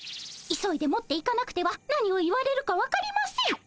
急いで持っていかなくては何を言われるか分かりません。